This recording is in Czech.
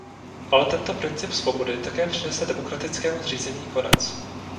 Ale tento princip svobody také přinese demokratickému zřízení konec.